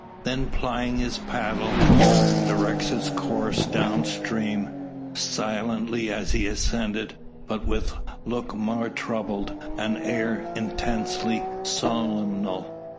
Then plying his paddle, directs its course down stream, silently as he ascended, but with look more troubled, and air intensely solemnal.